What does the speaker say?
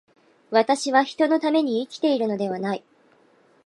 私は人のために生きているのではない。